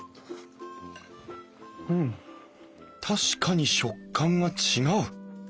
確かに食感が違う！